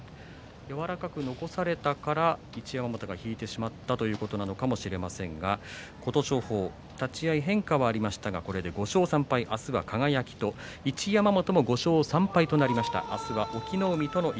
やわらかく残されたから一山本は引いてしまったということなのかもしれませんが琴勝峰は立ち合い、変化はありましたがこれで５勝３敗一山本も５勝３敗となりました。